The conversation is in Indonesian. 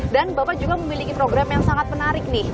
dan bapak juga memiliki program yang sangat menarik nih